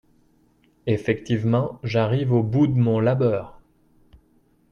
Effectivement, j'arrive au bout de mon labeur